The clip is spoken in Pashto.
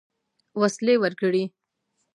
وسلې ورکړې.